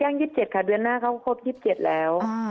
๒๗ค่ะเดือนหน้าเขาครบ๒๗แล้ว